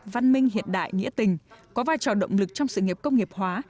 văn minh hiện đại nghĩa tình có vai trò động lực trong sự nghiệp công nghiệp hóa